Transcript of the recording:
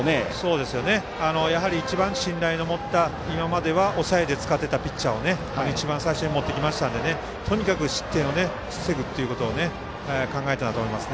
やはり一番信頼を持った今までは抑えで使っていたピッチャーを一番最初にもってきましたんでねとにかく失点を防ぐということを考えているんだと思います。